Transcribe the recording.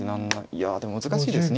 いやでも難しいです。